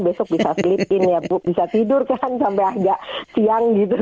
besok bisa slip in ya bu bisa tidur kan sampai agak siang gitu